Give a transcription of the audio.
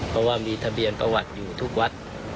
เพราะว่ามีทะเบียนประวัติอยู่ทุกวัด